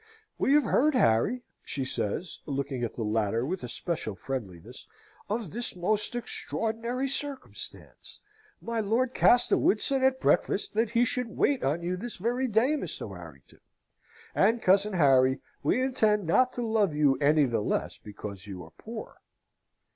"We have heard, Harry," she says, looking at the latter with a special friendliness, "of this most extraordinary circumstance. My Lord Castlewood said at breakfast that he should wait on you this very day, Mr. Warrington, and, cousin Harry, we intend not to love you any the less because you are poor."